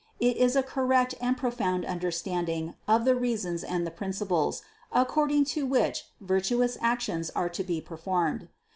It is a correct and profound understanding of the reasons and the principles, according to which virtuous actions are to be performed.